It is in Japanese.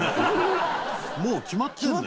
もう決まってるのよ。